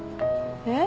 えっ？